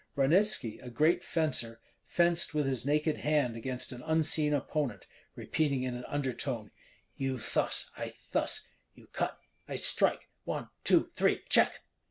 Ranitski, a great fencer, fenced with his naked hand against an unseen opponent, repeating in an undertone, "You thus, I thus; you cut, I strike, one, two, three, check!"